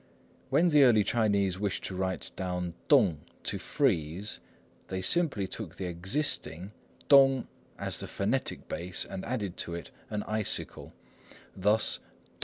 When the early Chinese wished to write down tung "to freeze," they simply took the already existing 東 as the phonetic base, and added to it "an icicle," 冫, thus 凍.